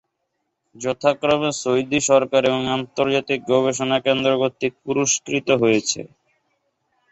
যথাক্রমে সৌদি সরকার এবং আন্তর্জাতিক গবেষণা কেন্দ্র কর্তৃক পুরষ্কৃত হয়েছে।